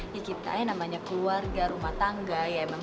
ya kita ya namanya keluarga rumah tangga ya emangnya